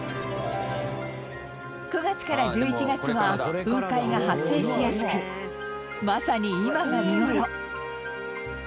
９月から１１月は雲海が発生しやすくまさに今が見頃。